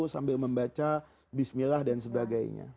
sambil membaca bismillah dan sebagainya